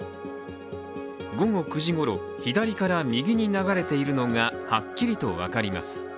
午後９時ごろ、左から右に流れているのがはっきりと分かります。